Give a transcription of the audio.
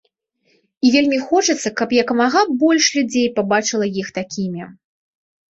І вельмі хочацца, каб як мага больш людзей пабачыла іх такімі!